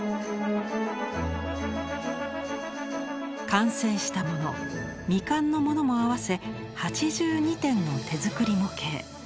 完成したもの未完のものも合わせ８２点の手作り模型。